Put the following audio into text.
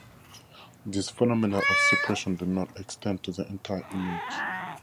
These phenomena of suppression do not extend to the entire image.